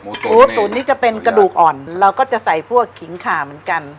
โอ้โหตุ๋นนี้จะเป็นกระดูกอ่อนเราก็จะใส่พวกขิงขาเหมือนกัน